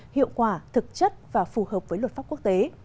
hiệu quả thực chất và phù hợp với luật pháp quốc tế